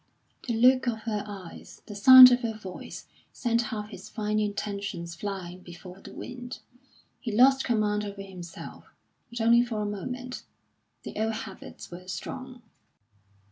The look of her eyes, the sound of her voice, sent half his fine intentions flying before the wind. He lost command over himself but only for a moment; the old habits were strong.